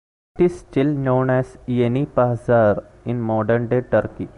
It is still known as "Yeni Pazar" in modern-day Turkey.